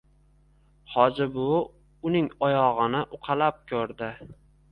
Hoji buvi uning oyog‘ini uqalab ko‘rdi.